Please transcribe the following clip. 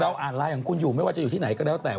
อ่านไลน์ของคุณอยู่ไม่ว่าจะอยู่ที่ไหนก็แล้วแต่